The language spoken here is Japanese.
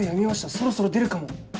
そろそろ出るかも。